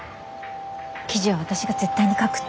記事は私が絶対に書くって。